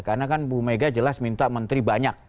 karena kan bu mega jelas minta menteri banyak